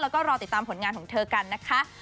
แล้วก็รอติดตามผลงานของเธอกันนะคะ